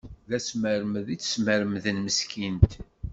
D asmermed i tt-smermden meskint.